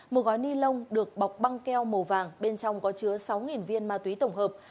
một gói ni lông được bọc băng keo màu vàng bên trong có chứa sáu viên ma túy tổng hợp